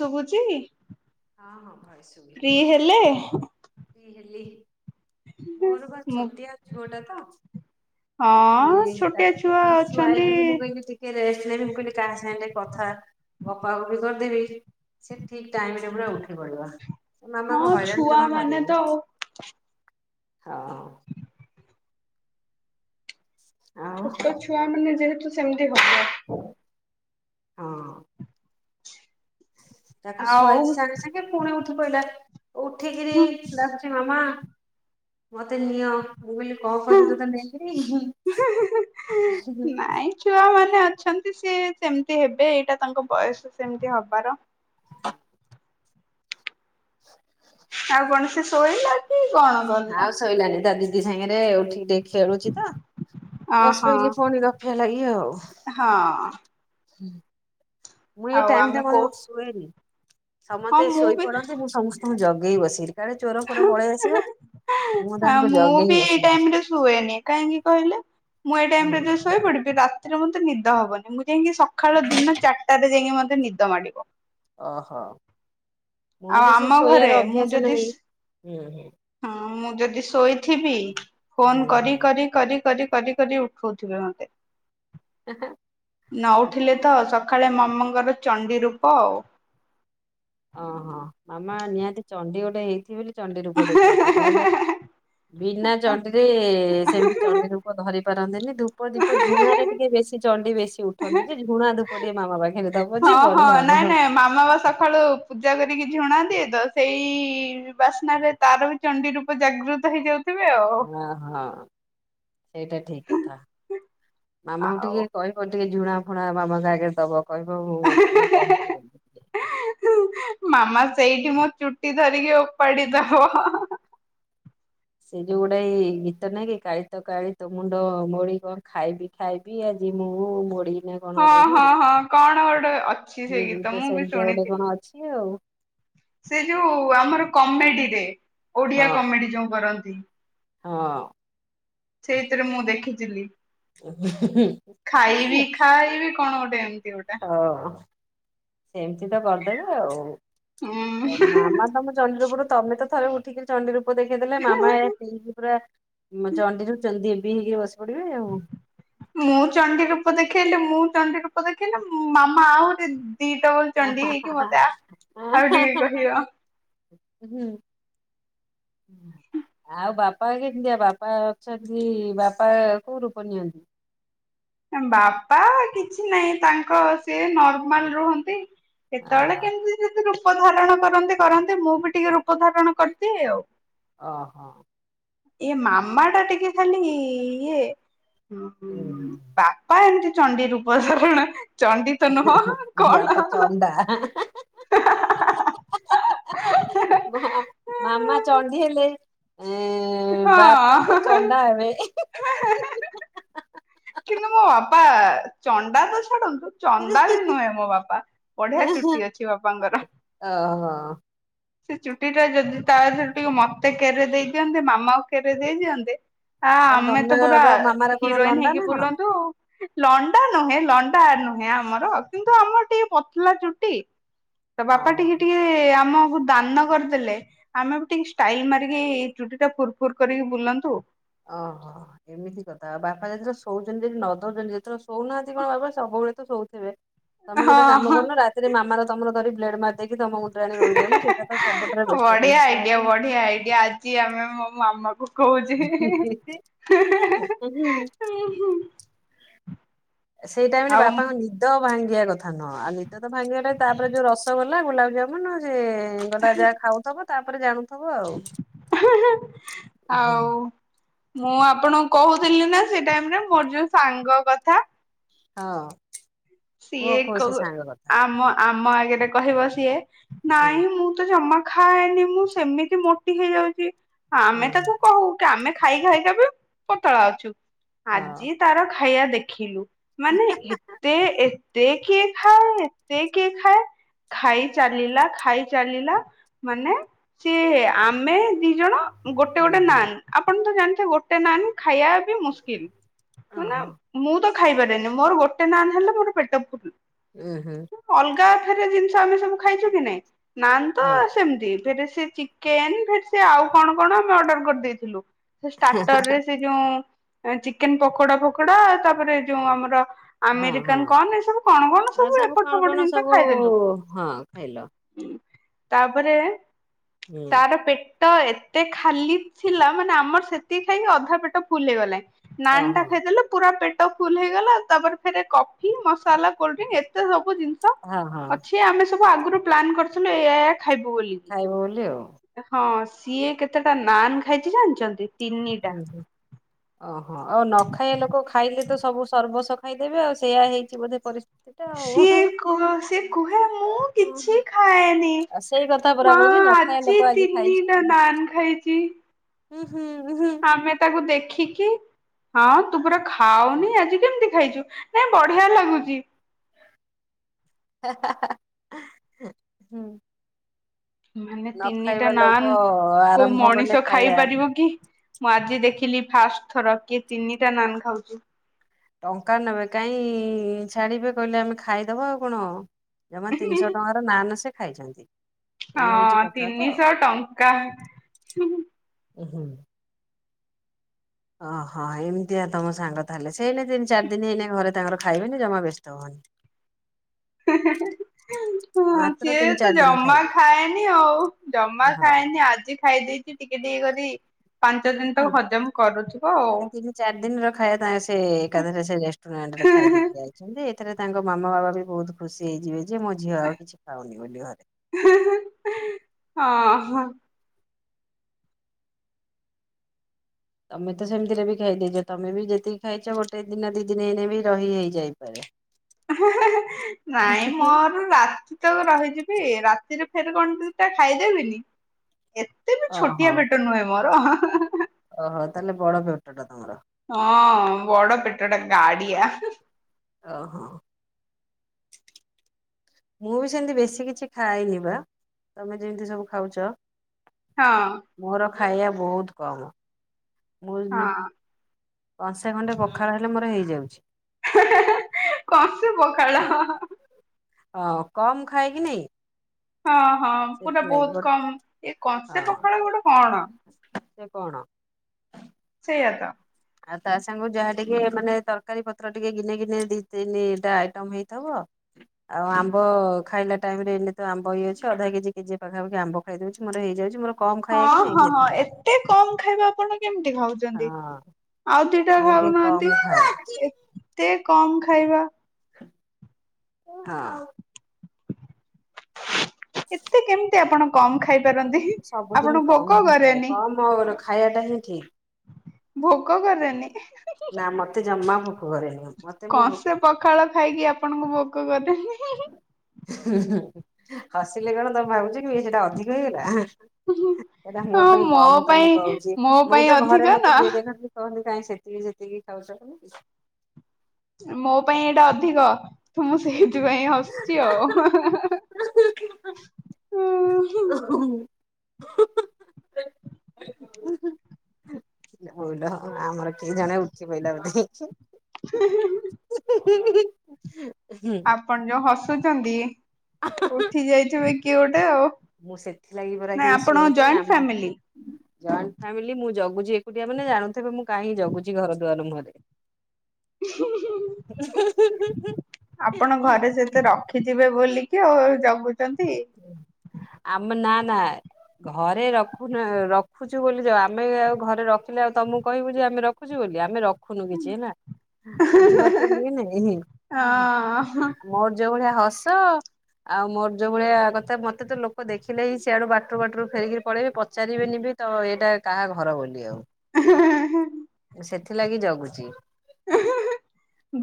ଶୁବୁଚି। ହଁ ହଁ ଭଏସ ଶୁଭିଲା ଫ୍ରି ହେଲେ। ଫ୍ରି ହେଲି। ମୋର ବାର ମୁଁ ଛୋଟି ଆଉ ଛୁଅଟା ତ ସେ ହଁ ଛୋଟିଆ ତାକୁ ଛୁଆ ଟିକେ ଅଛନ୍ତି ଶୁଆଇକରି ମୁଁ କହିଲି ଟିକେ ରେଷ୍ଟ ନେବି ମୁଁ କହିଲି କାହା ସାଙ୍ଗେ କଥା ବାପା ବି କରିଦେବି ସେ ଠିକ ଟାଇମରେ ସେ ପୁରା ଉଠି ପଡିବ। ମାମାଙ୍କୁ ହଁ ହଇରାଣ ଛୁଆ ଯମା ମାନେ ତ କରିବନି। ଆଉ ହଁ। ଆଉ ଛୋଟ ଛୁଆ ମାନେ ଯେହେତୁ ସେମିତି ହବ। ହଁ। ତାକୁ ଆଉ ଶୁଆଇକି ସାଙ୍ଗେ ସାଙ୍ଗେ ପୁଣି ଉଠି କଣ କହିଲା? ଉଠିକିରି ଡ଼ାକୁଛି ମାମା। ମତେ ନିଅ। ମୁଁ ବୋଲି କଣ କରିବି ତ ନେଇ। ନାଇଁ ଛୁଆ ମାନେ ଅଛନ୍ତି ସିଏ ସେମିତି ହେବେ ଏଇଟା ତାଙ୍କ ବୟସ ସେମିତି ହବାର। [unintelligible] ଆଉ କଣ ସେ ଶୋଇଲା? କି କଣ ଗଲା ଆଉ ଶୋଇିଲାନି ଦାଦି ଦି ସାଙ୍ଗରେ ଉଠିକି ଡେ ଖେଳୁଛି ତ ଅ ବସି ହଁ ପଇଲେ ପୁଣି ରଫା ଲାଗିବ ଆଉ। ହଁ [unintelligible] ମୁଁ ଏ ଆଉ ଟାଇମ ଆମେ ଟା କଣ କୋଉ ଶୁଏନି ହଁ ସମସ୍ତେ ଶୋଇପଡନ୍ତି ମୁଁ ସମସ୍ତଙ୍କୁ ଜଗେ ଏ ଇ ବସିଲି। ହ ହଁ ତାଙ୍କୁ ମୁଁ ଜଗେଇ ବି ଏଇ ବସିକିରି ଟାଇମ ରେ ଶୁଏନି କାହିଁକି କହିଲେ ମୁଁ ଏଇ ଟାଇମରେ ହୁଁ ଯ ଶୋଇ ପଡିବି। ତି ରେ ମେ ନିଦ ହବନି ମୁ ଯାଇକି ସକାଳ ଦିନ ଚାରିଟାରେ ଯାଇକି ମ ନିଦ ମାଡ଼ିବ। ଓ ହା। ମୁଁ ଆଉ ବି ସେ ଆମ ଘରେ ଶୋଇବାର ମୁଁ ଅଭ୍ୟାସ ଯଦି ନାହିଁ। ହଁ ମୁଁ ଯଦି ଶୋଇଥିବି। ହୁଁ ଫୋନ ହୁଁ କରି ହେଁ କରି କରି କରି କରି କରି ଉଠଉଥିବେ ମୋତେ। ହେଁ ନ ଉଠିଲେ ତ ସକାଳେ ମାମ ମାମା ଙ୍କର ଚଣ୍ଡି ରୂପ ଆଉ। ଓହୋ ମାମା ନିହାତି ଚଣ୍ଡି ଗୋଟେ ହେଇଥିବେ ବୋଲି ଚଣ୍ଡି ରୂପ ଦେଖାନ୍ତି ନହେଲେ ବିନା ଚଣ୍ଡିରେ ସେମିତି ଚଣ୍ଡି ରୂପ ଧରି ପାରନ୍ତିନି ଧୂପ ଦୀପ ଝୁଣାରେ ଟିକେ ବେଶୀ ଚଣ୍ଡି ବେଶୀ ଉଠନ୍ତି ଆଉ ଯେ ଝୁଣା ଧୂପ ଟିକେ ମାମା ପାଖେ ରେ ହଁ ହଁ ନାଇଁ ନାଇଁ ମାମା ବା ସକାଳୁ ପୂଜା କରିକି ଛିୁଣା ଦିଏ ତ ସେଇ ବାସ୍ନାରେ ତାର ବି ଚଣ୍ଡି ରୂପ ଜାଗୃତ ହେଇଯାଉ। ହଁ ହଁ ସେଇଟା ଠିକ କଥା ମାମାଙ୍କୁ ଟିକେ ଆଉ କହିବ ଟିକେ ଜୁଣା। ଝୁଣା ବାବାଙ୍କ ଆଗେରେ ଦବ। କହିବ ମତେ ମୁଁ କହିଛି ବୋଲି। ମାମା ସେଇଠି ମୋ ଚୁଟି ଧରିକି ଓପାଡି ଦବ। ସେ ଯୋଉ ଗୋଟାଏ ଗୀତ ନାଇଁ କି କାଳି ତ କାଳି ତୋ ମୁଣ୍ଡ ମୋଡି କଣ ଖାଇବି ଖାଇବି ଆଜି ମୁଁ ମୋଡି। ନା କଣ ହଁ ଗୋଟେ ନା ହଁ ହଁ କଣ ଗୋଟେ ଅଛି ସେ ସେଇ ଗୀତ ମୁଁ ବି ସେମିତିଆ ଗୋଟେ ଶୁଣିଥିଲି। କଣ ଅଛି ଆଉ। ସେ ଯୋଉ ଆମର କମେଡିରେ। ଓଡିଆ ହଁ କମେଡି ଯୋଉ କରନ୍ତି। [unintelligible] ହଁ। ସେଇଥିରେ ମୁଁ ଦେଖିଥିଲି। ଖାଇ ବି ଖାଇ ବି କଣ ଗୋଟେ ଏମ ହଁ ସେମିତି ତ କରିଦେବେ ଆଉ ମାମା ତମ ଚଣ୍ଡୀ ରୂପ ଟା ତମେ ତ ଥରେ ଉଠିକିରି ଚଣ୍ଡୀ ରୂପ ରୂପ ଦେଖେଇଦେଲେ ମାମା ହୁଁ। ଏଇଆ ପୁରା ଚଣ୍ଡିରୁ ଚ ବସି ପଡିବେ ମୁଁ ଚଣ୍ଡୀ ରୂପ ଦେ ଦେଖେଇଲେ ମୁଁ ଚଣ୍ଡୀ ରୂପ ଦେଖେଇଲେ ମାମା ଆହୁରି ଦିଟା ଭଲ ଚଣ୍ଡୀ ହେଇକି ମତେ ଆଉ ଟିକେ କହିବ। ହୁଁ ଆଉ ବାପା କେମିତିଆ ବାପା ଅଛନ୍ତି ବାପା କୋଉ ରୂପ ନିଅନ୍ତି? ବାପା କିଛି ନାହିଁ ତାଙ୍କ ସିଏ ନର୍ମାଲ ରୁହନ୍ତି। କେତେବେଳେ ଓହୋ କେମିତି ଯଦି ରୂ ରୂପ ଧାରଣ କରନ୍ତି କରନ୍ତି ମୁଁ ବି ଟିକେ ରୂପ ଧାରଣ କରିଦିଏ ଆଉ। ଓ ହୋ। ଏ ମାମା ଟା ଟିକେ ଖାଲି ଇଏ? ଓହୋ। ବାପା ଏମିତି ଚଣ୍ଡୀ ରୂପଧାରଣ ବାପା ଚଣ୍ଡା ହା ହା ହା ମାମା ଚଣ୍ଡୀ ହେଲେ ଏ ବାପା ତ ଚଣ୍ଡା ହେବେ ହେ ହେ ହା ହା ହା। କିନ୍ତୁ ମୋ ବାପା ଚଣ୍ଡା ତ ଛାଡନ୍ତୁ ଚନ୍ଦା ବି ନୁହେଁ ମୋ ବାପା ବଢିଆ ଚୁଟି ଅଛି ବାପାଙ୍କର। ହଁ। ସେ ଚୁଟି ଟା ଯଦି ତା ଦେହରୁ ଟିକେ ମତେ କେରେ ଦେଇଦିଅନ୍ତେ ମାମାକୁ କେରେ ଦେଇ ଦିଅନ୍ତେ ହଁ କାଇଁ ଆମେ ତ ପୁରା ତମର ମାମାର କଣ ହିରୋଇନ ଲଣ୍ଡା ହେଇକି ନା କଣ? ବୁଲନ୍ତୁ। ଲଣ୍ଡା ନୁହେଁ ଲଣ୍ଡା ନୁହେଁ ଆମର କିନ୍ତୁ ଆମର ଟିକେ ପତଲା ଚୁଟି। ତ ବାପା ଓହୋ। ଟିକେ ଟିକେ ଆମ ତାନ କରିଦେଲେ ଆମେ ବି ଟିକେ ଷ୍ଟାଇଲ ମାରିକି ଚୁଟିଟା ଫୁୁର ଫୁୁର କରିକି ବୁଲନ୍ତୁ। ଅହ ଏମିତି କଥା ଆଉ ବାପା ଯେତେଳେ ଶୋଉଚନ୍ତି ନଦୋଉଚନ୍ତି ଯେତେଳେ ଶୋଉନାହାନ୍ତି କଣ ବାପା ସବୁବେଳେ ତ ଶୋଉଥିବେ। ତମେ ହଁ ଗୋଟେ କାମ କରୁନ ରାତିରେ ମାମାର ତମର ଧରିି ପ୍ଲେଡ଼ ମାରିଦେଇ ବେଟର ବଢ଼ିଆ ଜିନିଷ ହବ। ଆଇଡ଼ିଆ ବଢ଼ିଆ ଆଇଡ଼ିଆ ଆଜି ଆମେ ମୋ ମାମା କୋହୁଚି ଉଁ ହୁଁ ସେଇ ଟାଇମରେ ବାପାଙ୍କ ନିଦ ଭାଂ ଇଆ କଥା ନୁହଁ‌। ଆଉ ନିଦ ତ ଭାଙ୍ଗିଗଲେ ତାପରେ ଯୋଉ ରସଗୋଲା ଗୁଲାପଜାମୁନ ସେ ହେଙ୍ଗଟା ଯାହା ଖାଉଥବ ତାପରେ ଜାଣୁ ହୁଁ ହୁଁ ହୁଁ ଆଉ ମୁଁ ଆପଣଙ୍କୁ କୋହୁଥିଲି ନାଁ ସେ ଟାଇମରେ ମୋର ଯୋଉ ସାଙ୍ଗ କଥା। ହଁ। କୁହ ସିଏ କୁହ ସେ କୋଉ ସାଙ୍ଗ କଥା ଆମ ଆମ ଏପଟେ କହିବ ସିଏ ହୁଁ ନାଇଁ ମୁଁ ତ ଜମା ଖାଏନି ମୁଁ ସେମିତି ମୋଟି ହେଇଯାଉଚି। ହୁଁ ଆମେ ତାକୁ କହୁ କି ଆମେ ଖାଇ ଖାଇକା ବି ପତଳା ଅଛୁ। ହଁ। ଆଜି ତାର ଖାଇଆ ଦେଖିଲୁ? ମାନେ ଏତେ ଏତେ କିଏ ଖାଏ? ଏତେ କିଏ ଖାଏ? ଖାଇ ଚାଲିଲା ଖାଇ ଚାଲିଲା ମାନେ ସିଏ ଆମେ ଦି ଜଣ ଗୋଟେ ହୁଁ ଗୋଟେ ହୁଁ ନାନ୍ ଆପଣ ତ ଜାନ୍ ସେ ଗୋଟେ ନାନ୍ ଖାଇଆ ବି ମୁସ୍କିଲ ମାନେ ଓହୋ ମୁଁ ତ ଖାଇ ପାରେନି ମୋର ଗୋଟେ ନାନ୍ ହେଲେ ମୋର ପେଟ ଫୁଲ୍। ଉ ହୁଁ। ଠାରେ ରିଲ୍ସ ତ ଆମେ ସବୁ ଖାଇଚୁ କି ନାଇଁ ନାନ୍ ତ ହଁ ସେମତି ଫେରେ ସେ ଚିକେନ ଫେର୍ ସେ ଆଉ କଣ କଣ ଆମେ ଅର୍ଡର କରିଦେଇଥିଲୁ। ସେ ଷ୍ଟାର୍ଟରରେ ସେ ଯୋଉଁ ଚିକେନ ପକୋଡା ପକୋଡା ତାପରେ ଯୋଉ ଆମର ହଁ ହଁ। ଆମେରିକାନ କଣ ଏ ସବୁ କଣ କଣ ଆଉ ସବୁ ଏପଟ କଣ ସେପଟ କଣ ଜିନିଷ ସବୁ ଖାଇଦେଲୁ ହଁ ଖାଇଲ? ତାପରେ ହୁଁ ତାର ପେଟ ତ ଏତେ ଖାଲି ଥିଲା ମାନେ ଆମର ସେତିକି ଖାଇକି ଅଧା ପେଟ ଫୁଲ ହେଇଗଲା। ନାନ ଟା ଓହୋ ଖାଇଦେଲ ପୁରା ପେଟ ଟା ଫୁଲ ହେଇଗଲା ତାପରେ ଫେରେ କ ମସଲା କୋଲଡ୍ରିଙ୍ଗ ଏତେ ସବୁ ସବୁ ଜିନିଷ ହଁ ହଁ ଅଛି ଆମେ ସବୁ ଆଗରୁ ପ୍ଲାନ୍ କରିୁଥିଲୁ ଏୟା ଏୟା ଖାଇବୁ ବୋଲି କି, ଖାଇବ ବୋଲି ଆଉ ହଁ। ସିଏ କେତେଟା ନାନ ଖାଇଛି ଜାଣିଛନ୍ତି? ତିନିଟା। ଓ ହଁ ଆଉ ନ ଖାଇବା ଲୋକ ଖାଇଲେ ତ ସବୁ ସର୍ବଶ୍ଵ ଖାଇଦେବେ ଆଉ ସେୟା ହେଇଛି ବୋଧେ ପରି ସିଏ କ ସିଏ କୁହେ ମୁଁ କିଛି ଖାଏନି ଆଉ ସେଇ କଥା ପରା ମା କହୁଛି ନ ଖାଇବା ଆଜି ଲୋକ ତିନିଟା ନାନ ଖାଇଛି ହୁମ ଆମେ ତାକୁ ଦେଖିକି ହଁ ତୁ ପୁରା ଖାଉନି ଆଜି କେମିତି ଖାଇଛୁ ନାଇଁ ବଢିଆ ଲାଗୁଛି, ହା ହା ହା ହୁଁ ମାନେ ତିନିଟା ନାନ କୋଉ ଆରମ୍ଭ କଲେ ମଣିଷ ଖାଇବା ଖାଇପାରିବ କି ମୁଁ ଆଜି ଦେଖି ଦେଖିଲି ଫାଷ୍ଟ ଥର କିଏ ତିନିଟା ନାନ ଖାଉଛି। ଟଙ୍କା ନେବେ କାଇଁ ଛାଡିବେ କହିଲେ ଆମେ ଖାଇଦବା ଆଉ କଣ ଜମା ତିନିଶହ ଟଙ୍କାର ନାନ ସେ, ଖାଇଛନ୍ତି, ଏଇ ହଉଛି ହଁ କଥା ତ। ତିନିଶହ ଟଙ୍କା ଓ ହୋ, ଓହୋ ଏମିତିଆ ତମ ସାଙ୍ଗ ତାହେଲେ ସେଇନ ତିନି ଚାରି ଦିନ ହେଇନ ଘରେ ତାଙ୍କର ଖାଇବେନି ଜମା ବ୍ୟସ୍ତ ହୁଅନି, ହେ ହେ ଅଁ ହ ମାତ୍ର ସିଏ ତିନି ତ ଚାରି ଦିନ ଜମା ଖାଇବେ ଖାଏନି। ଆଉ ଜମା ହଁ ଖାଏନି ଆଜି ଖାଇ ଦେଇଛି। ଟିକେ ଟିକେ କରି ପାଞ୍ଚ ଦିନ ତକ ହଜମ କରୁଥିବ ଆଉ। ସେ ତିନି ଚାରି ଦିନର ଖାଇଏ ତାଙ୍କ ସେ ଏକାଥରେ ସେ ରେଷ୍ଟୁରାଣ୍ଟ ରେ ଖାଇଦେକି ଯାଇଛନ୍ତି। ଏଥିରେ ତାଙ୍କ ମାମା ବାପା ବି ବହୁତ ଖୁସି ହେଇଯିବେ। ଯେ ମୋ ଝିଅ ଆଉ କିଛି ଖାଉନି ବୋଲି ଘରେ। ହଁ। ତମେ ତ ସେମିତିରେ ବି ଖାଇ ଦେଇଛ। ତମେ ବି ଯେତିକି ଖାଇଛ ଗୋଟେ ଦିନ ଦି ଦିନ ହେଇନ ବି ରହି ହେଇଯାଇପାରେ। ହେଁ ହେଁ ନାଇଁ ମୋର ରାତି ତ ରହିଯିବି ରାତିରେ। ସେଟି କଣ ଦୁଇଟା ଖାଇଦେବିନି। ଏତେ ବି ଓହୋ ଛୋଟିଆ ପେଟ ନୁହେଁ ମୋର। ଅଁହଁ ଅଁ। ଓହୋ ତାହେଲେ ବଡ ପେଟ ଟା ତମର। ହଁ ବଡ଼ ପେଟଟା ଗାଡ଼ିଆ। ଓ ହୋ। ମୁଁ ବି ସେମିତି ବେଶୀ କିଛି ଖାଏନି। ବା ତମେ ଯେମିତି ସବୁ ଖାଉଛ। ମୋର ହଁ। ଖାଇବା ବହୁତ କମ। ମୋର୍। ହଁ କଂସେ ଖଣ୍ଟେ ପଖାଳ ହେଲେ ମୋର ହେଇଯାଉଛି। ହେ ହେଂ ହେଂକଂ ସେ ପଖଳ ହଂ। ଅ କମ ଖାଏ କି ନାଇଁ। ହଁ ହଁ ପୁରା ସେଥିଲାଗି ଗୋ ବହୁତ କମ୍। ଏଇ କଂସେ ହଁ ପଖାଳ ଗୋଟେ କଣ ସେ କଣ ସେଇଆା ତ। ଆଉ ତା ସାଙ୍ଗ ଯାହା ଟିକେ ମାନେ ତରକାରୀ ପତ୍ର ଟିକେ। ଗିନେ ଗିନେ ଦି ତିନି ଟା ଆଇଟମ ହେଇଥିବ। ଆଉ ଆମ୍ବ ଖାଇଲା ଟାଇମ ରେ ଏନ ତ ଆମ୍ବ ହେଇ ଅଛି ଅଧା କେଜି କେଜି ପାଖାପାଖି ଆମ୍ବ ଖାଇଦଉଛି। ମୋର ହେଇଯାଉଛି ମୋର। କମ ଖାଇବା କି ହଁ ନାଇଁ ହଁ ହଁ ସେଥିଲାଗି ଏତେ କମ ଖାଇବା ଆପଣ କେମିତି ଖାଉଛନ୍ତି। ଚନତି ହଁ ଆଉ ଦିଟା ମୁଁ ଟିକେ ଖାଉନାହାନ୍ତି କମ ଖାଏ ଏତେ କମ୍। କଣ ଖାଇବା। ହଁ। ଏତେ କେମିତି ଆପଣ। କମ ଖାଇପାରନ୍ତି। ଆପଣ ସବୁଦିନ ଭୋକ କମ ହିଖାଏ କରେନି କମ ଅ ଖାଇବା ଟା ହିଁ। [inaudible] ଭୋକ କରେନି। ନା ମତେ ଜମା ଭୋକ କରେନି। ମତେ ମୁଁ କ କଥା ହିଂ ହିଂ ହିଂ। ହସିଲେ କଣ ତମେ ଭାବୁଛ କି ସେଇଟା ଅଧିକ ହେଇଗଲା। ସେଇଟା ମୋ ହଁ ପାଇଁ କମ ତ ପାଇଁ ମୁଁ କହୁଛି। ମୋ ମୁଁ ପାଇଁ ତ ଅଧିକ ଘରେ ନା ମତେ ଯିଏ ଦେଖନ୍ତିି କହନ୍ତି। କାହିଁକି ସେତିକି ସେତିକି ଖାଉଚ। ମୋ ପାଇଁ ଏଇଟା ଅଧିକ ତ ମୁଁ ସେଇ ସେଇଥିପାଇଁ ହସୁଛି ଆଉ ହାଁ ହାଁ ହାଁ। ହୁଁ। ଓ ହୋ। ହାଁ ହାଁ ହାଁ। ହଉ ଲୋ। ଆମର କିଏ ଜଣେ ଉଠି ପହିଲା ବୋଧେ। ହୁଁ ହୁଁ। ଆପଣ ଯୋଉ ହସୁ ଚନ୍ତି। ଉଠି ଯାଇଥିବେ କିଏ ଗୋଟେ ଆଉ ମୁଁ ସେଥିଲାଗି ପରା ନାଇ କେହି ଆପଣ ଶୁଏନି ଜଏଣ୍ଟ ଆମ ଫାମିଲି। ଜଏଣ୍ଟ ଫାମିଲି ମୁଁ ଜଗୁଛି ଏକୁଟିଆ ମାନେ ଜାଣୁଥିବେ ମୁଁ କାହିଁକି ଜଗୁଛି ଘର ଦୁଆର ମୁହଁରେ। ଆପଣ ଘରେ ସେତେ ରଖିଥିବେ ବୋଲି। କି ଆଉ ଯାବୁ। ଆମ ନା। ନାଇଁ ଘରେ ରଖୁନ ରଖୁଛୁ ବୋଲି ଯ ଆମେ ଆଉ ଘରେ ରଖିଲେ ଆଉ ତମକୁ କହିବୁ ଯେ ଆମେ ରଖୁଛୁ ବୋଲି ଆମେ। ରଖୁନୁ କିଛି ହେଲା ବୁଝିପାରୁଛନ୍ତି କି ନାଇ ହଁ। ମୋର ଯୋଉ ଭଳିଆ ହ ଆସ ଆଉ ମୋର ଯୋଉ। ଭଳିଆ କଥା ମତେ ତ ଲୋକ ଦେଖିଲେ ହି ସିଆଡୁ ବାଟରୁ ବାଟରୁ ଫେରିକିରି ପଳେଇବି ପଚାରିବେନି ବି ତ-ତ-ତ ଏଇଟା। କାହା ଘର ବୋଲି ଆଉ। ସେଥିଲାଗି ଜଗୁଛି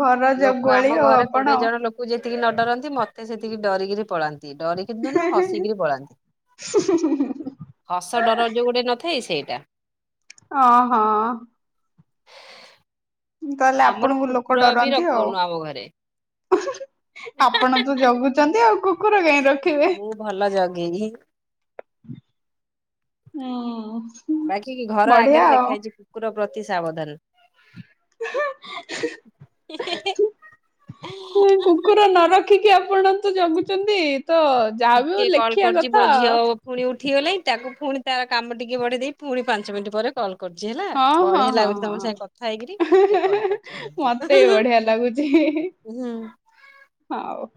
ଘର ଲୋକ ଆମ ଜଗୁଆଳି ଆଉ ଘରେ କୋଡିଏ ଆପଣ। ଜଣ ଲୋକ ଯେତିକି ନ ଡରନ୍ତି ମ ତ ସେତିକି ଡରିକିରି ପଳାନ ଡରିକିରି ତ ନୁହଁ ହସିକିରି ପଳାନ୍ତି ହସ ଡର ଯୋଉ ଗୋଟେ ନ ସେଇ ସେଇଟା। ଅ ହଁ। ତାହେଲେ ଆମର ଆପଣଙ୍କୁ ଲୋକ କୁକୁର ବି ଡରନ୍ତି ଆଉ ରଖଉନୁ ଆମ ଘରେ। ଆପଣ ତ ଜଗୁଛନ୍ତି ଆଉ କୁ ମୁଁ ଭଲ ଜଗେଇ। ହୁଁ। ବାକି କି ଘର ବଢିଆ ଆଗରେ ଆଉ। ଲେଖା ହେଇଛି କୁକୁର ପ୍ର ତି ସାବଧାନ। କୁକୁର ନ ରଖ ଦେଖିକି ଆପଣ ତ ଜଗୁଛନ୍ତି। ତ ଯାହା ବି ହଉ ଟିକେ କଲ୍ ଲେଖିବା କରୁଛି କଥା। ମୋ ଝିଅ ପୁଣି ଉଠି ଗଲାଣି। ତାକୁ ପୁଣି ତାର କାମ ଟିକେ ବଢ଼େଇ ଦେଇ ପୁଣି ପାଞ୍ଚ ମିନିଟ ପରେ କଲ ହଁ ହଁ ହଁ ହଁ ହେଇକିରି ଟିକେ କଲ୍ କରୁଛି ରୁହନ୍ତୁ। ମତେ ବଢିଆ ଲାଗୁଛି ହୁଁ। ହଉ।